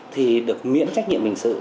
thì được miễn trách nhiệm hình sự